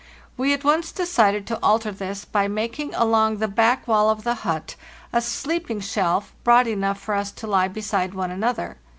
We at once decided to alter this by making along the back wall of the hut a sleeping shelf broad enough for us to lie beside one another.